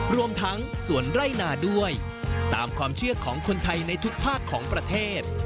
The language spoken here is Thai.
รวมทั้งสวนไร่นาด้วยตามความเชื่อของคนไทยในทุกภาคของประเทศ